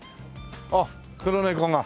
あっ黒猫が。